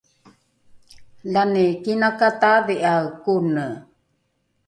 lani kinakataadhi’ae kone